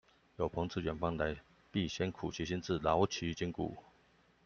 有朋自遠方來，必先苦其心志，勞其筋骨